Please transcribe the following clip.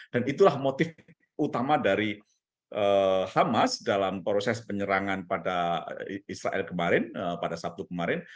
dan itulah motif utama dari hamas dalam proses penyerangan pada israel kemarin pada sabtu kemarin